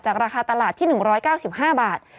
ราคาตลาดที่๑๙๕บาท